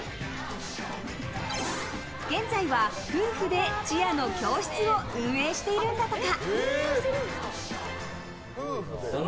現在は夫婦でチアの教室を運営しているんだとか。